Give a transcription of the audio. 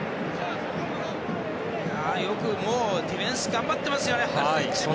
よくディフェンス頑張ってますよね。